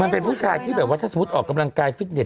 ผู้ชายที่แบบว่าถ้าสมมุติออกกำลังกายฟิตเต็